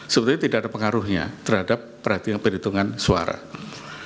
sebenarnya tidak ada pengaruhnya terhadap perhitungan suara berjenjang itu